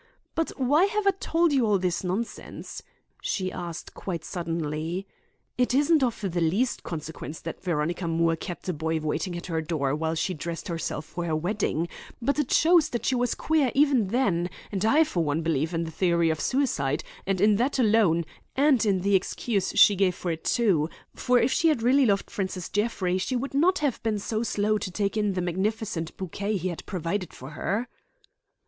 "But why have I told you all this nonsense?" she asked quite suddenly. "It isn't of the least consequence that Veronica Moore kept a boy waiting at her door while she dressed herself for her wedding; but it shows that she was queer even then, and I for one believe in the theory of suicide, and in that alone, and in the excuse she gave for it, too; for if she had really loved Francis Jeffrey she would not have been so slow to take in the magnificent bouquet he had provided for her."